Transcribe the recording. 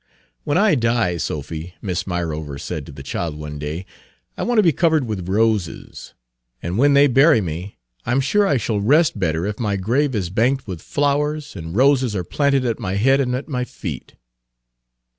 "When I die, Sophy," Miss Myrover said to the child one day, "I want to be covered with roses. And when they bury me, I'm sure I shall rest better if my grave is banked with flowers, and roses are planted at my head and at my feet."